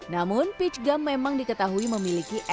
namun peach gum memang diketahui memiliki asam amino